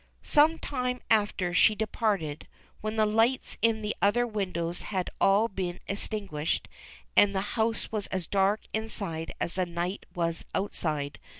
Some time after she departed, when the lights in the other windoAvs had all been extinguished and the house w'as as dark inside as the night w^as outside.